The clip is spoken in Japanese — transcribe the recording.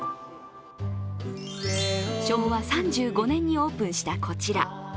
昭和３５年にオープンしたこちら。